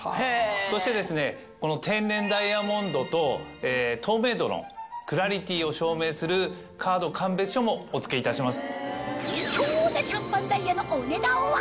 そして天然ダイヤモンドと透明度クラリティを証明するカード鑑別書もお付けいたします。